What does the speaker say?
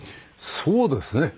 そうですね。